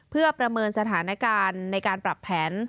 เพื่อประเมินสถานการณ์ในการปรับแผน